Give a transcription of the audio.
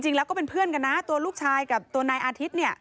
ก็เป็นเพื่อนกันนะตัวลูกชายกับตัวนายอาทิตย์เนี่ย